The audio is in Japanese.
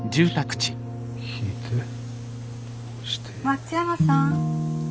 松山さん。